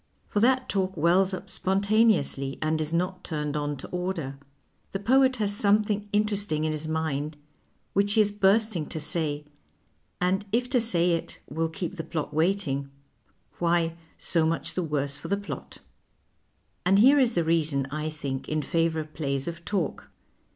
For that talk wells up spontaneously and is not turned on to order ; the poet has something interesting in his mind which he is bursting to say, and if to say it will keep the plot waiting, why, so much the worse for the plot. And here is a reason, I think, in favour of plays of talk.